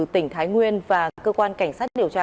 tỉnh thái nguyên và cơ quan cảnh sát điều tra